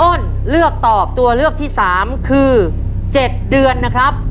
น้องเอิ้นเลือกตอบตัวเลือกที่สามคือเจ็ดเดือนนะครับ